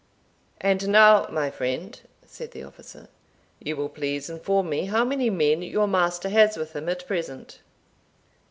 "And now, my friend," said the officer, "you will please inform me how many men your master has with him at present."